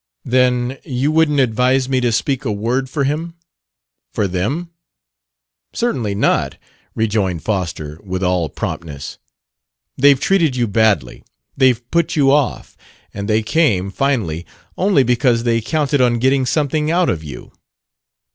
"Then you wouldn't advise me to speak a word for him? for them?" "Certainly not!" rejoined Foster, with all promptness. "They've treated you badly. They've put you off; and they came, finally, only because they counted on getting something out of you.